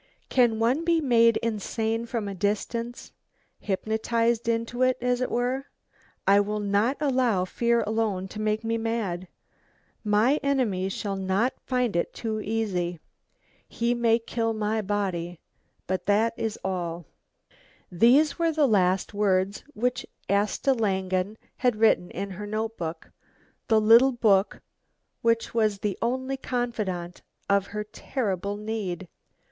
Can one be made insane from a distance? hypnotised into it, as it were? I will not allow fear alone to make me mad. My enemy shall not find it too easy. He may kill my body, but that is all " These were the last words which Asta Langen had written in her notebook, the little book which was the only confidant of her terrible need.